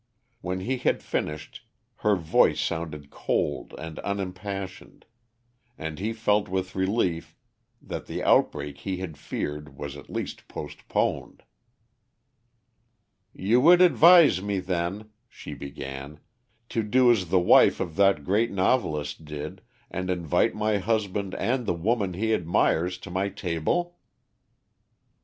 When he had finished, her voice sounded cold and unimpassioned, and he felt with relief that the outbreak he had feared was at least postponed. "You would advise me then," she began, "to do as the wife of that great novelist did, and invite my husband and the woman he admires to my table?"